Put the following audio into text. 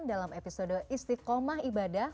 dalam episode istiqomah ibadah